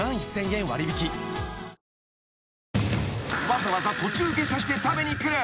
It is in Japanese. ［わざわざ途中下車して食べに来る］